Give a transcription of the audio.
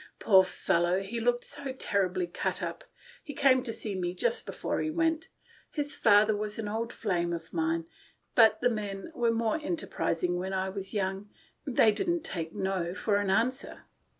Poor fellow, he looked so terribly cut up. He came to see me just before he went. His A KETTLEDRUM AT LADY JANE'S. 99 father was an old flame of mine. But the men were more enterprising when I was young. They didn't take 'no' for an answer."